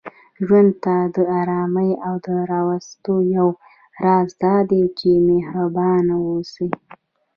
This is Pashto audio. ژوند ته د آرامۍ د راوستلو یو راز دا دی، چې محربانه اوسئ